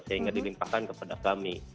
sehingga dilimpahkan kepada kami